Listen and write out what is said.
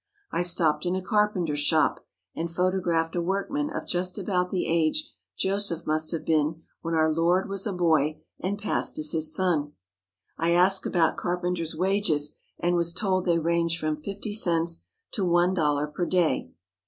I stopped in a carpenter's shop, and photographed a workman of just about the age Joseph must have been when our Lord was a boy and passed as his son. I asked about carpenter's wages, and was told they ranged from fifty cents to one dollar per day.